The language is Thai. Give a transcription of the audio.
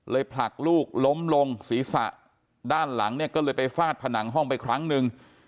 ผลักลูกล้มลงศีรษะด้านหลังเนี่ยก็เลยไปฟาดผนังห้องไปครั้งหนึ่ง